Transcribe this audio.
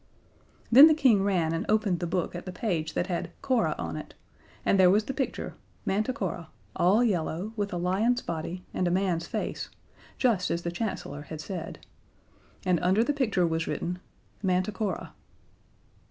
Then the King ran and opened the book at the page that had "cora" on it, and there was the picture Manticora, all yellow, with a lion's body and a man's face, just as the Chancellor had said. And under the picture was written, "Manticora."